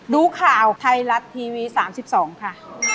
ดูข่าวไทยรัฐทีวี๓๒ค่ะ